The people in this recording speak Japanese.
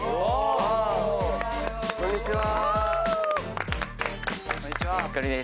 こんにちは。